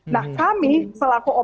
nah kami selaku oms